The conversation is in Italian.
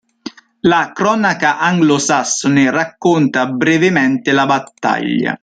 La Cronaca anglosassone racconta brevemente la battaglia.